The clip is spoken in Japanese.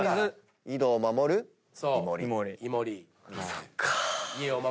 そっか。